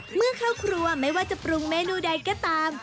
เมื่อเข้าครัวไม่ว่าจะปรุงเมนูใดก็ตาม